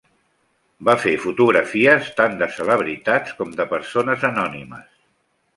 Va fer fotografies tant de celebritats com de persones anònimes.